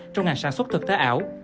trong ngành sản xuất thực thể ảo